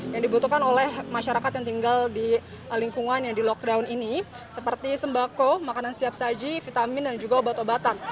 yang dibutuhkan oleh masyarakat yang tinggal di lingkungan yang di lockdown ini seperti sembako makanan siap saji vitamin dan juga obat obatan